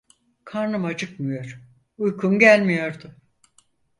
Karnım acıkmıyor, uykum gelmiyordu.